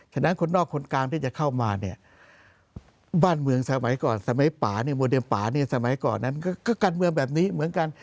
ฉะนั้นคนนอกคนกลางที่จะเข้ามาเนี่ยบ้านเมืองสมัยก่อนสมัยป่าเนี่ยโมเดมป่าเนี่ยสมัยก่อนนั้นก็การเมืองแบบนี้เหมือนกัน